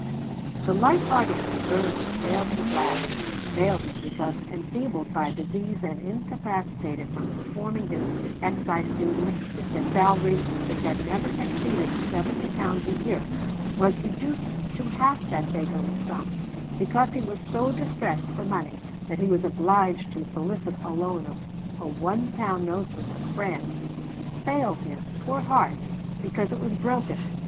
The light heart of Burns failed him at last, failed him because, enfeebled by disease and incapacitated from performing his excise duties, his salary, which had never exceeded seventy pounds a year, was reduced to half that beggarly sum; because he was so distressed for money that he was obliged to solicit a loan of a one pound note from a friend: failed him, poor heart, because it was broken!